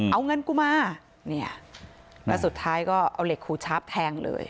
เอาเงินกูมาเนี่ยแล้วสุดท้ายก็เอาเหล็กขูชาปแทงเลย